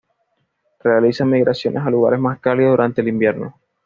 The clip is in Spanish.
Realiza migraciones a lugares más cálidos durante el invierno.